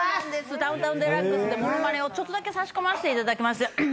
『ダウンタウンＤＸ』で物まねをちょっとだけ差し込ませていただきまして。